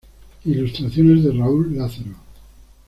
Ilustraciones de Raúl Lázaro.